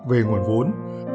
về nguồn vốn